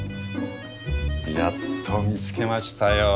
やっと見つけましたよ。